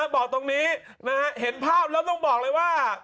บอกตรงนี้เห็นภาพแล้วต้องบอกเลยว่า